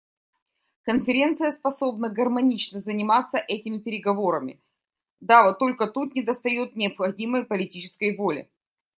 Конференция способна гармонично заниматься этими переговорами, да вот только тут недостает необходимой политической воли.